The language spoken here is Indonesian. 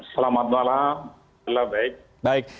selamat malam selamat baik